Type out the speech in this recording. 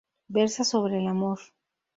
Versa sobre el amor.